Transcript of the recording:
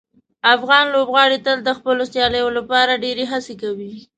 افغان لوبغاړي تل د خپلو سیالیو لپاره ډیرې هڅې کوي.